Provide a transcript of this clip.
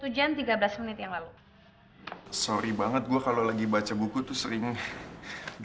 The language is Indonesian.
wassalamualaikum warahmatullahi wabarakatuh